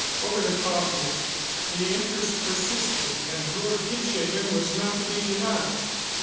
Over the coffee the interest persisted and Lord Kipshaven was not to be denied.